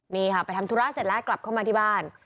นี่ค่ะไปทำธุระเสร็จแล้วกลับเข้ามาที่บ้าน